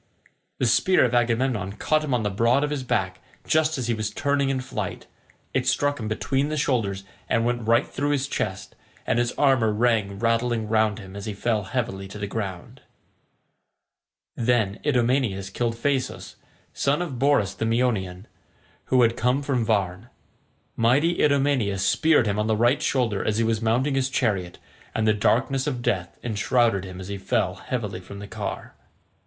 The spear of Agamemnon caught him on the broad of his back, just as he was turning in flight; it struck him between the shoulders and went right through his chest, and his armour rang rattling round him as he fell heavily to the ground. Then Idomeneus killed Phaesus, son of Borus the Meonian, who had come from Varne. Mighty Idomeneus speared him on the right shoulder as he was mounting his chariot, and the darkness of death enshrouded him as he fell heavily from the car.